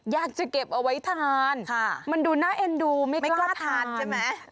อยากจะเก็บเอาไว้ทานมันดูน่าเอ็นดูไม่กล้าทานใช่ไหม